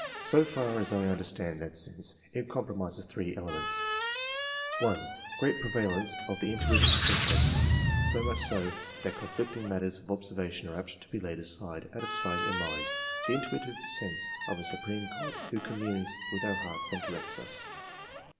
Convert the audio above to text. So far as I understand that sense, it comprises three elements :— 1 . Great prevalence of the intuitive sentiments ; so much so, that conflicting matters of observa tion are apt to be laid aside, out of sight and mind. The intuitive sense of a supreme God, who communes with our hearts and directs us.